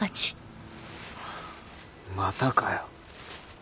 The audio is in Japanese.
またかよ。